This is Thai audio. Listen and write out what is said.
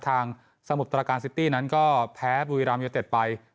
ทางสมบัตรการซิตี้นั้นก็แพ้บุรีรามยูเนเต็ดไป